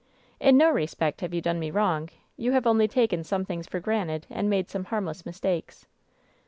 "In no respect have you done me wrong. You have only taken some things for granted and made some harm less mistakes."